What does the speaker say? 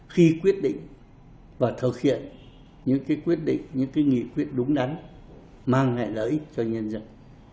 khi quyết định và thực hiện những cái quyết định những cái nghị quyết đúng đắn mang lại lợi ích cho nhân dân